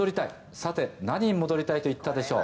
さて何に戻りたいと言ったでしょう？